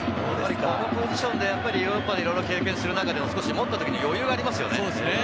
このポジションでヨーロッパでいろいろ経験する中で余裕がありますよね。